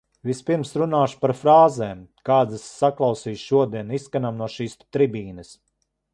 Vispirms runāšu par frāzēm, kādas es saklausīju šodien izskanam no šīs tribīnes.